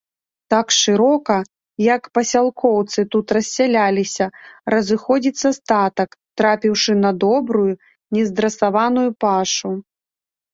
Так шырока, як пасялкоўцы тут рассяліліся, разыходзіцца статак, трапіўшы на добрую, не здрасаваную пашу.